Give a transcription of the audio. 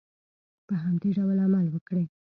په همدې ډول عمل وکړئ.